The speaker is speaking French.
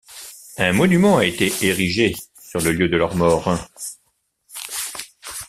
Un monument a été érigé sur le lieu de leur mort.